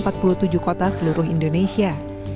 bob foster juga memiliki pembinaan di kota kota indonesia